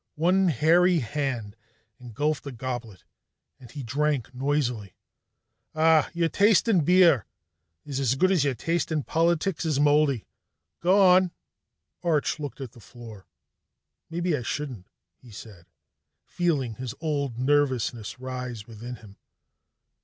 One hairy hand engulfed a goblet and he drank noisily. "Ahhhh! Your taste in beer is as good as your taste in politics is moldy. Go on." Arch looked at the floor. "Maybe I shouldn't," he said, feeling his old nervousness rise within him.